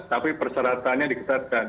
tapi persyaratannya diketatkan